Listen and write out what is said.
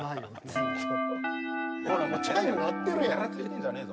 ずっとほらもうチャイム鳴ってるやんヘラついてんじゃねえぞ